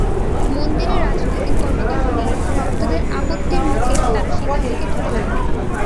মন্দিরে রাজনৈতিক কর্মকাণ্ড নিয়ে ভক্তদের আপত্তির মুখে তাঁরা সেখান থেকে চলে যান।